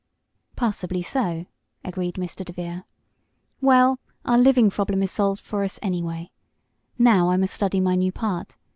"Passably so," agreed Mr. DeVere. "Well, our living problem is solved for us, anyway. Now I must study my new part.